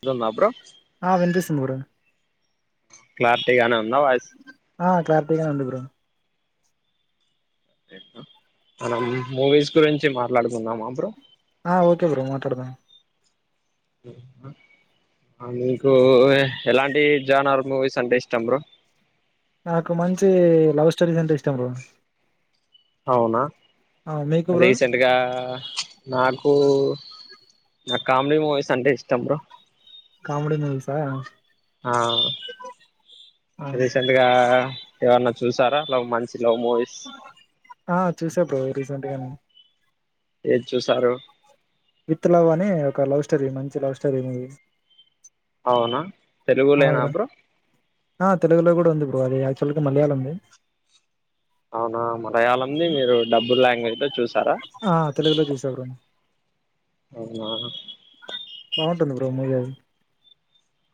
[inaudible] అప్పుడు ఆ వినిపిస్తుంది బ్రో క్లారిటీ గానే ఉంద వాయిస్ ఆ క్లారిటీ గానే ఉంది బ్రో మనం మూవీస్ గురించి మాట్లాడుకుందామా బ్రో? ఆ ఓకే బ్రో మాట్లాడదాం మీకు ఎలాంటి జానార్ మూవీస్ అంటే ఇష్టం బ్రో? నాకు మంచి లవ్ స్టోరీస్ అంటే ఇష్టం బ్రో అవునా ఆ మీకు బ్రో రీసెంట్గా నాకు నా కామెడిీ మూవీస్ అంటే ఇష్టం బ్రో కామిడి మూవీస్ అ ఆ ఆ రీసెంట్గా ఎవన్నా చూసారా లవ్ మంచి లవ్ మూవీస్ ఆ చూసా బ్రో రీసెంట్ గా నే ఏది చూసారు విత్ లవ్ అని ఒక లవ్ స్టోరీ మంచి లవ్ స్టోరీ మూవీ అవునా అ బ్రో ఆ తెలుగులో కూడా ఉంది బో బ్రో అది ఆక్చువల్గా మలయాళంది అవునా మలయాళంది మీరు డబ్బుడు లాంగ్వేజ్ లో చూసారా ఆ తెలుగులో చూసా బ్రో అవునా బాగుంటుంది బ్రో మూవీ అది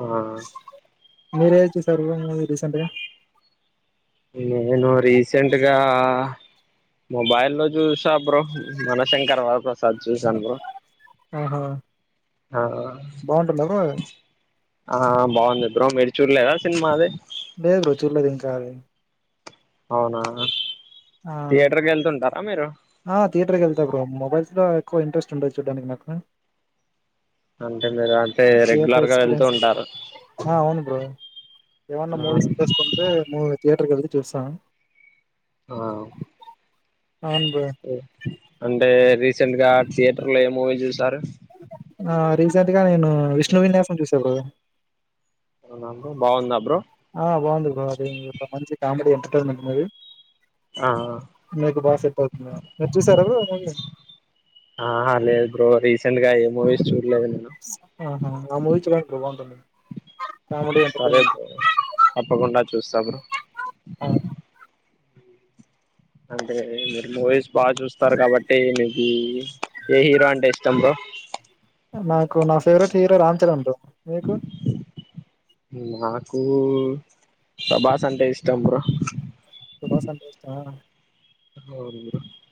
ఆ మీరేది చూసారు బ్రో మూవీ రీసెంట్గా నేను రీసెంట్గా మొబై లో చూసా బ్రో మనశంకర వరప్రసాద్ చూసాను బ్రో ఆహా ఆ బాగుంటుంద బ్రో ఆ బాగుంది బ్రోం మీరు చూడలేదా సినిమా అది లేదు చూళ్ళేదు ఇంకా అది అవునా ఆ థియేటర్కి వెళ్తుంటారా మీరు ఆ థియేటర్ కేళ్తా బ్రో మొబైల్స్ లో ఎక్కువ ఇంట్రెస్ట్ ఉండదు చూడ్డానికి నాకు అంటే మీరు అంటే థియేటర్ రెగ్యులర్ గా వెళ్తూ ఎక్స్పీరియన్స్ ఉంటారు ఆ అవును బ్రో ఎమన్నా ఆ మూవీస్ ఇంట్రెస్ట్ ఉంటే మూవి థియేటర్కి కేళ్తే చూస్తా ఆ అవును బ్రో అంటే రి రీసెంట్గా థియేటర్లో ఏ మూవీ చూస్తారు ఆ రీసెంట్ గా నేను విష్ణు విన్యాసం చూసా బ్రో అవునా బ్రో బాగుందా బ్రో ఆ బాగుంది బ్రో అది మంచి కామెడీయన్ టెన్మెంట్ ఉన్నది ఆ మీకు బా సెట్ అవుతుంది మీరు చూసారా బ్రో మూవీ సెంట్గా ఏ మూవీస్ చూడలేదు నిను ఆహా ఆ మూవీ చూడండి బ్రో బాగుంటుంది కామెడీ సరే ఎంటర్టైన్మెంట్ బ్రో తప్పకుండ చూస్తా బ్రో ఆ అంటే మీరు మూవీస్ బాగా చూస్తారు కాబట్టి మీకు ఏ హీరో అంటే ఇష్టం బ్రో నాకు నా favourite hero Ram Charan bro మీకు నాకు ప్రభాస్ అంటే ఇష్టం బ్రో ప్రభాస్ అంటే ఇష్టమా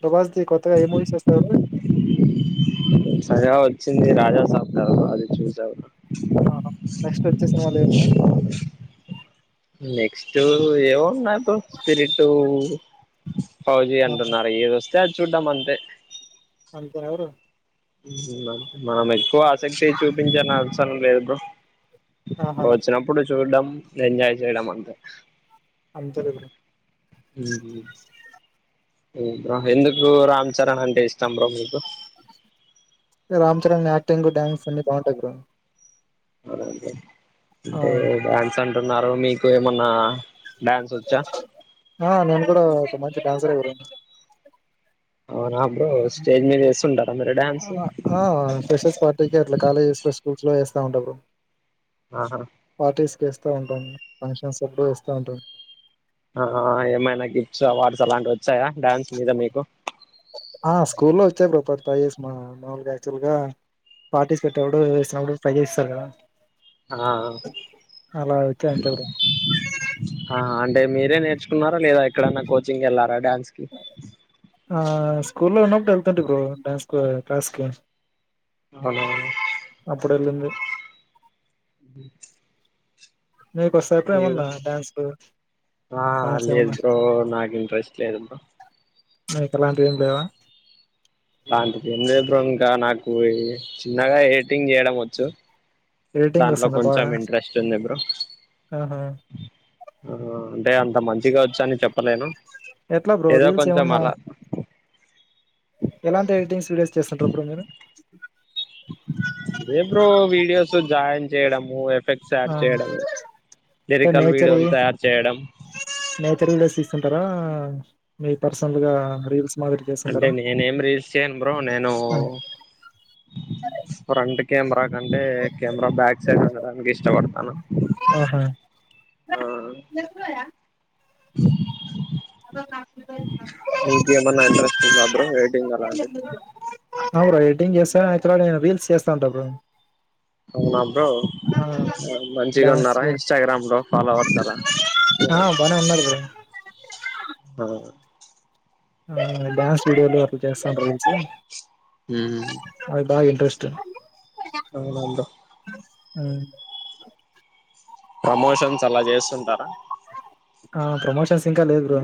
ప్రభాస్‌ది కొత్తగా ఏ మూవీస్ వస్తాయి బ్రో సర వచ్చింది ఇన్ని రాజా సాబ్ అది చూసారు ఆ నెక్స్ట్ వచ్చే సినిమాలు ఏమన్నా స్టు ఎం ఉన్నాయ్ బ్రో స్పీరిట్ ఫౌజీ ఆహా అంటున్నారు ఏదొ సార్ చూడం అంతే అంతే ఎరు మామ ఎ ఆసక్తి చూపించని అవసరం లేదు బ్రో ఇ ఆహా వచ్చినప్పుడు చూడ్డం ఎజాయ్ చేయడం అంతే అంతే హ బ్రో ఎందుకు రామ్ చరణ్ అంటే ఇష్టం బ్రో మీకు రామ్ చరణ్ యాక్టింగ్ డ్యాన్స్ అన్ని బాగుంటాయి బ్రో అదే ఆ అదే డాన్స్ అంటే అన్నారు మీకు ఏమన్నా డ్యాన్స్ వచ్చా ఆ నేను కూడాడా సమాచ డాన్సర్ ఏ బ్రో అవునా బ్రో స్టేజ్ మీద వేస్తుంటారా మీరు డ్యాన్స్ స్షస్ పార్టీకి అట్లా కాలేజెస్ లో స్కూల్స్ లో వేస్తా ఉంటప్పుడు ఆహా ేస్తా ఉంటాం ఫంక్షన్స్ ఇేస్తా ఉంటాం ఆ ఏమైనా గిఫట్స్ అవార్డ్స్ అలాంటి వచ్చ వచ్చాయా డ్యాన్స్ మీద మీకు ఆ స్కూల్లో వచ్చాయి బ ట్రై చే మా మామూలుగా యాక్చువల్ గా పార్టిసిపేట్ అడు వేినప్పుడు ట్రై చేస్తారు కదా ఆ అలా వచ్చాయి అంతే బ్రో ఆ అంటేరే నేర్చున్నారా లేదా ఎక్కడైనా కోచింగ్ వెళ్లారా ఆ స్కూల్ లో ఉన్నప్పుడు వెళ్తుంటా బ్రో డ్యాన్స్ క్లాస్ కి అవునా.. అప్పుడు వెళ్ళింది మీకు వస్తాయా లేవు ఏమన్నా డాన్స్ ఆ సాంగ్స్ లేదు ఏమన్నా బ్రో నాకు ఇంట్రెస్ట్ లేదు బ్రో నీకు అలాంటివి ఏం లేవా అలాంటిది ఏం లేదు బ్రో ఇంకా నాకు చిన్నగా ఎడిటింగ్ చేయడం వచ్చు ఎడిటింగ్ దాంట్లో వస్తుంద బాగ కొంచెం ఇంట్రెస్ట్ ఉంది బ్రో ఆ హ ఆ అంటే అంత మంచిగా వచ్చు అని చెప్పలేను ఎట్లా బ్రో ఏదో రీల్స్ కొంచెం ఏమన్నా అలా ఎలాంటి ఎడిటింగ్స్ వీడియోస్ చేస్తుంటారు బ్రో మీరు ఏ బ్రో వీడియోస్ జాయిన్ చేయడము ఫ్లెక్స్ యాడ్ ఆ చేయడం అంటే లిరికల్ వీడియోలు నేచర్వి తయారు చేయడం టారా మీ పర్సనల్ గా రీల్స్ మాదిరి అంటే చేస్తుంటారా నేనేం రీల్స్ చేయను బ్రో నేను ఆ. ఫ్రెంట్ కెమెరా కంటే కెమెరా బ్యాక్ సైడ్ ఉండడానికి ఇష్టపడతాను ఆ హ ఆ మీకేమన్నా ఇంట్రెస్ట్ ఉందా బ్రో ఎడిటింగ్ అలాంటిది ఆ బ్రో చేస్తా ఇక్కడ నేను రీల్స్ చేస్తాంట బ్రో అవును బ్రో ఆ, మంచిగా డాన్స్ ఉన్నారా లో ఇన్స్టాగ్రామ్ లో ఫాలోవర్స్ అలా ఆ బానే ఉన్నారు బ్రో ఆ ఆ డ్యాన్స్ వీడియోలు అట్లా చేస్తాం రీల్స్ మ్ హ్ అవి బాగా ఇంట్రెస్ట్ మ్ ప్రమోషన్స్ అలా చేస్తుంటారా ఆ ప్రమోషన్స్ ఇంకా లేదు బ్రో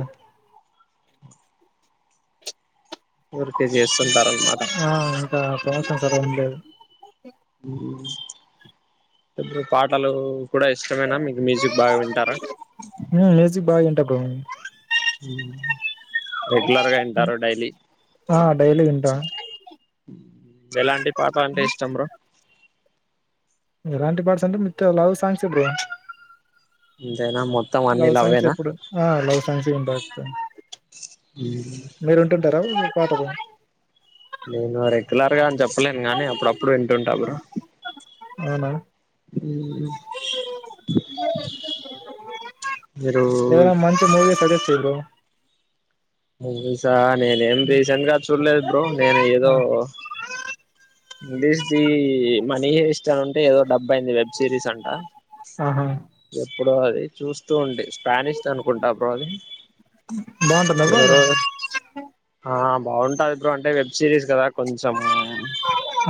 ఊరికే చేస్తుంటారనమాట ఆ అంత [unintelligible] ఇప్పుడు పాటలు కూడా ఇష్టమేనా మీకు మ్యూజిక్ బాగా వింటారా అ రెగ్యులర్గా వింటారు డైలీ ఆ! డైలీ వింటా. ఎలాంటి పాట అంటే ఇష్టం బ్రో ఎలాంటి పార్ట్స్ అంటే విత్ లవ్ సాంగ్స్ ఎ బ్రో అంతేనా మొత్తం అన్ని లవ్ సాంగ్స్ లవ్వేనా ఎప్పుడు ఆహ్ లవ్ సాంగ్స్ ఉంటాయి ఎప్పుడు మీరు ఉంటుంటారు. ఆది నీ పాటకు. నేను రెగ్యులర్ గా అని చెప్ప్. చెప్పలేను గానీ అప్పుడప్పుడు వింటుంటా బ్రో అవునా! బ్రోయి. Hello hello sir. నేనేం రీసెంట్ గా చూడలేదు బ్రో నేను ఆ! ఏదో. Release the money ways. So అంటే ఏదో డబ్బైయింది వెబ్ సిరీస్ అంట. ఆహా! ఇప్పుడు అది చూస్తూ ఉండే. స్పానిష్ అనుకుంటా బ్రో అది బావుంటుందా బ్రో అది? ఎవరో ఆహ్. బాగుంటంది బ్రో అంటే వెబ్ సిరీస్ కదా కొంచెం.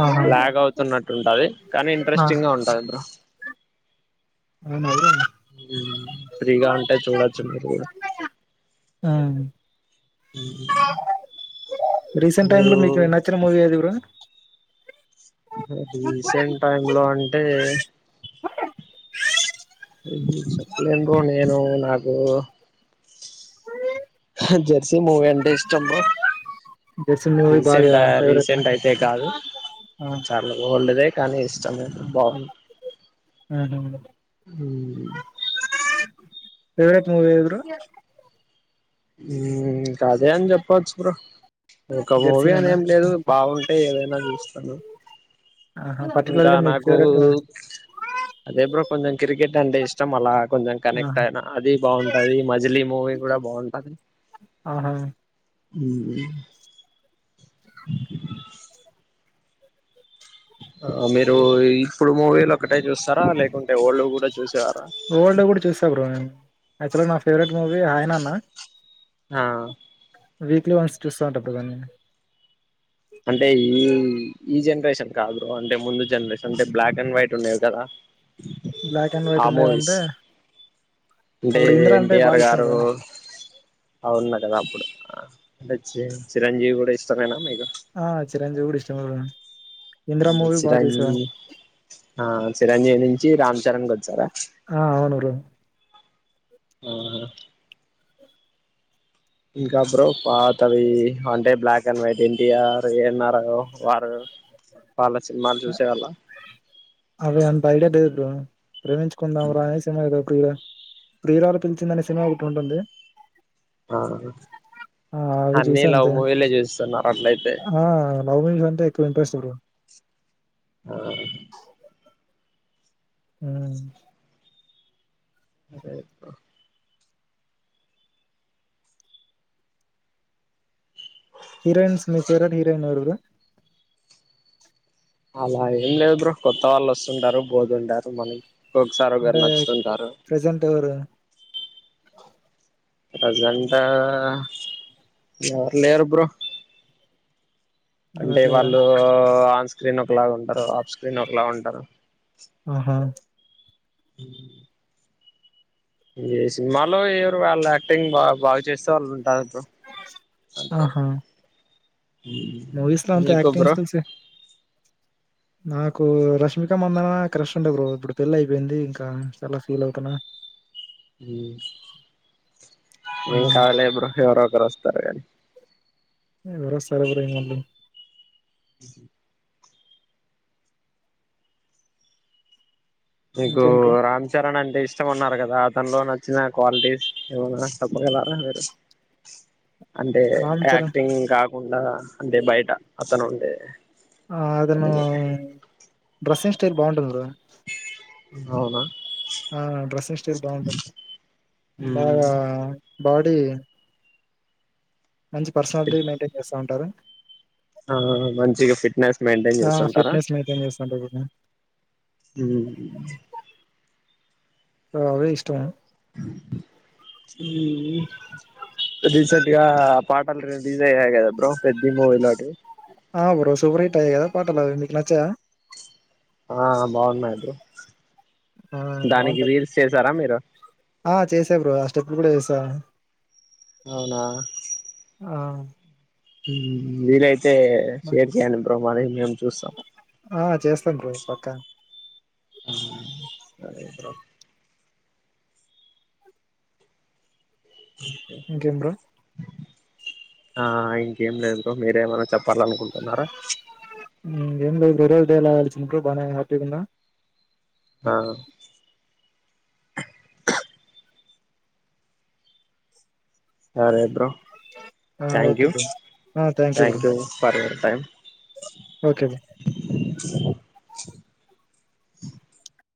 ఆహా! లాగ అవుతున్నట్టు ఉంటది కానీ ఆ! ఇంట్రెస్టింగ్ గా ఉంటది బ్రో. ఆహ్ మల్లిగా. ఫ్రీగా ఉంటే చూడొచ్చు మీరు కూడా. ఆహ్. ఉమ్. రీసెంట్ టైం లో మీకు నచ్చిన మూవీ ఏది బ్రో. రీసెంట్ టైం లో అంటే. చెప్పలేను బ్రో నేను నాకు. జెర్సీ మూవీ అంటే ఇష్టము బ్రో. జెర్సీ మూవీ బాగా రీసెంట్ ఆహ్ ఫేవరెటా? రీసెంట్ అయితే కాదు చాలా ఓల్డ్దే కానీ ఇష్ట్. చాలా. ఆహ్. ఫేవరెట్ మూవీ ఏది బ్రో. ఉమ్ అదే అని చెప్పోచ్చు బ్రో. ఒక మూవీ అని జెర్సీనేనా ఏం లేదు బాగుంటే ఏదైనా చూస్త్ హలో. ఆహా పర్టికులర్ ఇంకా గా మీకు నాకు ఫేవరెట్ అదే బ్రో. కొంచెం క్రికెట్ అంటే ఇష్టం అలా. కొంచెం ఆహా కనెక్ట్ అయిన అది బాగుంటది. మజిలీ మూవీ కూడా బాగుంటది. ఆహా ఉమ్. ఆహ్ మీరు ఇప్పుడు మూవీ లో ఒకట్. ఓల్డ్ కూడా చూస్తా బ్రో నేను యాక్చువల్గా నా ఫేవరెట్ మూవీ ఆయన నా. ఆహ్. వీక్లీ వన్స్ చూస్తా ఉంటా బ్రో నేను. అంటే ఈ ఈ జనరేషన్ కాదు అంటే ముందు జనరేషన్ అంటే బ్లాక్ అండ్ వైట్ ఉండేవి కదా బ్లాక్ అండ్ ఆ వైట్ మూవీస్ ఉండేవంటే అంటే అప్పుడు ఇంద్ర అంటే ఎన్టీఆర్ బాగా ఇష్టం గారు బ్రో అవును కదా అప్పుడు అంటే చి చిరంజీవి కూడా ఇష్టమేనా మీకు ఆ చిరంజీవి కూడా ఇష్టం బ్రో ఇంద్ర అంటే మూవీ బాగా చిరంజీ చూసా ఆ చిరంజీవి నుంచి రామ్ చరణ్ గొచ్చారా ఆ అవునురో ఆ ఇంకా బ్రో పాతవి అంటే black and white N T R A N R వారు వాళ్ళా సినిమాలు చూసేవాళ్ళా అది అంత ఐడియా లేదు బ్రో ప్రేమించుకుందాం రా అనే సినిమా ఏసు ఏదో ప్రియా ప్రియురాలు పిలిచిందనే సినిమా ఒకటి ఉంటుంది ఆ ఆ అవి అన్నీ చూసా లవ్ అంతే మూవీలే చూసున్నారు అట్లయితే ఆ లవ్ మూవీస్ అంటే ఎక్కువ ఇంట్రెస్ట్ బ్రో హా హ్మ్మ్ అదే యకా హీరోయిన్స్ మీ ఫేవరెట్ హీరోయిన్ ఎవరు బ్రో అలా ఏం లేదు బ్రో కొత్త వాళ్ళు వస్తుంటారు పోదుంటారు మనకి ఒకసారి ఒకరు అంటే నచ్చుతుంటారు ప్రెజెంట్ ఎవరు ప్రజెంట్ టా ఎవరు లేరు బ్రో అంటే ఎవరు లేరా వాళ్ళు ఆన్ స్క్రీన్ ఓకలా ఉంటారు ఆఫ్ స్క్రీన్ ఓకలా ఉంటారు ఆహా హ్మ్మ్ ఈ సినిమాలో ఎవరు వాళ్ళు యాక్టింగ్ బా బాగా చేస్తే వాళ్ళు ఉంటారు బ్రో అంతే ఆహా మూవీస్ లో అంత మీకు యాక్టింగ్ బ్రో స్కిల్స్ నాకు రష్మిక మందనా క్రష్ ఉండే బ్రో ఇప్పుడు పెళ్లిి అయిపోయింది ఇంకా చాలా ఫీల్ అవుతున్నా హ్మ్మ్ ఆ ఏంకాలే బ్రో హోవరో వస్తారు గానీ ఎవరొస్తారు బ్రో మళ్లీ హుమ్మ్ మీకు ఇంకేం బ్రో రామ్ చరణ్ అంటే ఇష్టం అన్నారు కదా తనిలో నచ్చిన క్వాలిటీస్ ఏమన్నా చెప్పగలరా మీరు అంటే రామ్ చరణ్ యాక్టింగ్ కాకుండా అంటే బయట అతను ఉండే ఆ అదను దాన్ని బట్టి డ్రస్సింగ్ స్టైల్ బాగుంటుంది బ్రో అవునా ఆ డ్రెస్సింగ్ స్టైల్ బాగుంటుంది బ్రో మ్మ్ బాగా బాడీ మంచి పర్సనాలిటీ మెయిన్టైన్ చేస్తూ ఉంటారు ఆ మంచిగా ఫిట్నెస్ మెయింటైన్ ఆ చేస్తుంటారా ఫిట్నెస్ మెయింటైన్ చేస్తా ఉంటారు మ్మ్. అవే ఇష్టం మ్మ్ రీసెంట్గా పాటలు రిలీజ్ అయ్యాయిగా బ్రో పెద్ది మూవీ లాటివి ఆ బ్రో సూపర్ హిట్ అయ్యాయిగా పాటలు మీకు నచ్చావా ఆ బాగున్నాయి బ్రో ఆ దానికి బాగుంటది రీల్స్ చేసారా మీరు ఆ చేసా బ్రో అ స్టెప్పులు కూడా వేసా అవునా మ్మ్ వీలై తే షేర్ చేయండి బ్రో ప్రమారే ఇలియాన్ ఆ చేస్తాను బ్రో పక్కా ఉమ్మ్ సరే బ్రో ఇంకేం బ్రో [inaudible] ఆ ఇంకేం లేదు బ్రో మీరే ఎం అనా చెప్పాలనుకుంటున్నారా హ్మ్. ఏం లేదు బ్రో రోజు దేవలాడుతుంది బాగానే హ్యాపీగా ఉందా ఆ సరే బ్రో ఆ ఓకే థాంక్యూ బ్రో ఆ థ్యాంక్ యూ బ్రో థాంక్యూ సరే బ్రో బాయ్ ఓకే లే [inaudible]